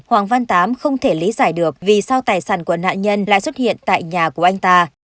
hoàng văn tám không thể lý giải được vì sao tài sản của nạn nhân lại xuất hiện tại nhà của anh ta